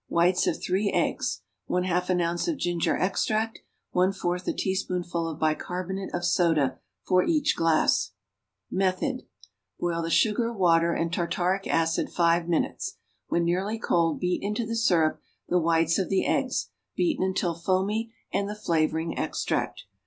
Whites of 3 eggs. 1/2 an ounce of ginger extract. 1/4 a teaspoonful of bicarbonate of soda for each glass. Method. Boil the sugar, water and tartaric acid five minutes. When nearly cold beat into the syrup the whites of the eggs, beaten until foamy, and the flavoring extract.